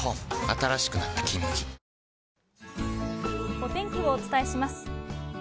お天気をお伝えします。